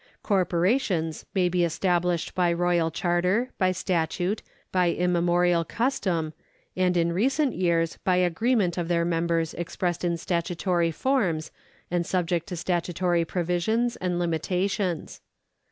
Cor porations may be established by royal charter, by statute, by immemorial custom, and in recent years by agreement of their members expressed in statutory forms and subject to statutory provisions and limitations.